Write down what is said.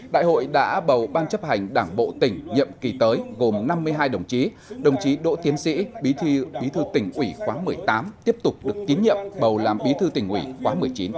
đại hội đã bầu ban chấp hành đảng bộ tỉnh nhiệm kỳ tới gồm năm mươi hai đồng chí đồng chí đỗ tiến sĩ bí thư tỉnh ủy khóa một mươi tám tiếp tục được tiến nhiệm bầu làm bí thư tỉnh ủy khóa một mươi chín